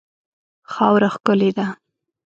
خاوره ښکلې ده.